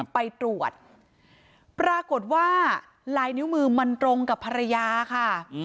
ไปตรวจปรากฏว่าลายนิ้วมือมันตรงกับภรรยาค่ะ